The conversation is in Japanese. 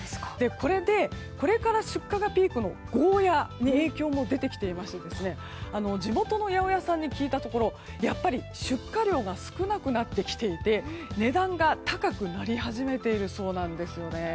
これで、これから出荷がピークのゴーヤに影響も出てきていまして地元の八百屋さんに聞いたところやっぱり出荷量が少なくなってきていて値段が高くなり始めているそうなんですよね。